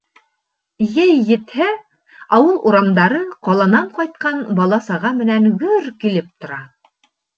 Йәй етһә, ауыл урамдары ҡаланан ҡайтҡан бала-саға менән гөр килеп тора.